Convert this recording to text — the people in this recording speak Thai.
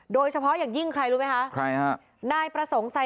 โดยเฉพาะอย่างยิ่งใครรู้ไหมคะ